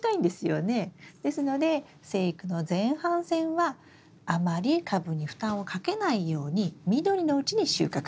ですので生育の前半戦はあまり株に負担をかけないように緑のうちに収穫する。